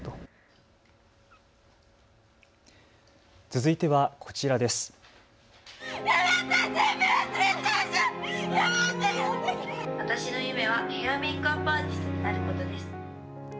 続いてはこちらです。